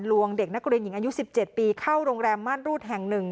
วงเด็กนักเรียนหญิงอายุ๑๗ปีเข้าโรงแรมม่านรูดแห่ง๑